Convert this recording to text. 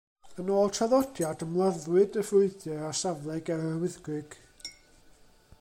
Yn ôl traddodiad, ymladdwyd y frwydr ar safle ger Yr Wyddgrug.